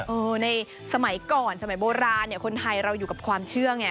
ในสมัยก่อนสมัยโบราณเนี่ยคนไทยเราอยู่กับความเชื่อไง